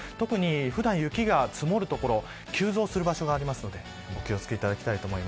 普段、雪が積もる所急増する場所があるのでお気を付けください。